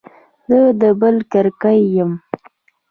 زه د بل د کرکې يم.